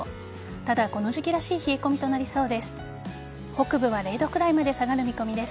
ただ、この時期らしい冷え込みとなりそうです。